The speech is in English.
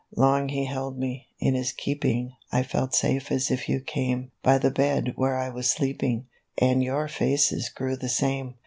44 Long he held me, in his keeping I felt safe as if you came By the bed where I was sleeping; And your faces grew the same.